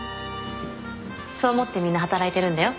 そう思ってみんな働いてるんだよ。